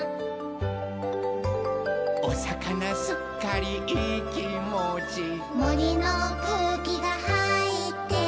「おさかなすっかりいいきもち」「もりのくうきがはいってる」